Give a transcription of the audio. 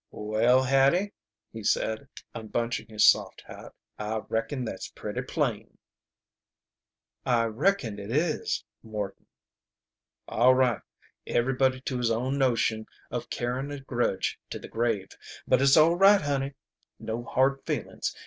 "Well, Hattie," he said, unbunching his soft hat, "I reckon that's pretty plain." "I reckon it is, Morton." "All right. Everybody to his own notion of carryin' a grudge to the grave. But it's all right, honey. No hard feelin's.